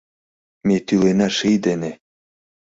Ме тӱлена ший дене